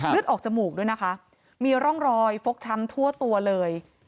เลือดออกจมูกด้วยนะคะมีร่องรอยฟกช้ำทั่วตัวเลย